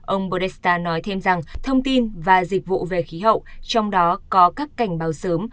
ông bordesta nói thêm rằng thông tin và dịch vụ về khí hậu trong đó có các cảnh báo sớm